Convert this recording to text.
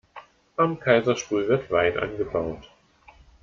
Am Kaiserstuhl wird Wein angebaut.